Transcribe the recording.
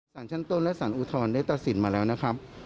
สารชั้นต้นและสารอุทธรณ์ได้ตัดสินมาแล้วนะครับ